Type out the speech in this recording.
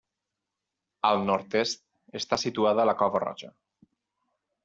Al nord-est està situada la Cova Roja.